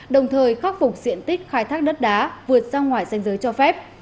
đồng thời khắc phục diện tích khai thác đất đá vượt ra ngoài danh giới cho phép